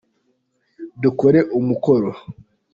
Dukore umukoro.